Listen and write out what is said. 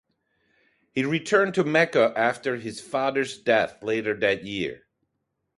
He returned to Mecca after his father's death later that year.